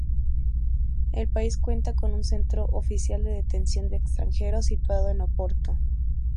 El país cuenta con un centro oficial de detención de extranjeros, situado en Oporto.